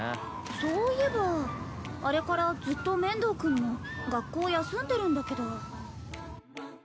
そういえばあれからずっと面堂君も学校休んでるんだけど。